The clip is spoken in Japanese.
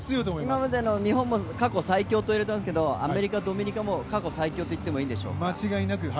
今までの日本も過去最強と言われていますけど、アメリカ、ドミニカも過去最強といってもいいでしょう。